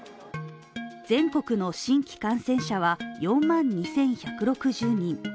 全国の新規感染者は４万２１６０人。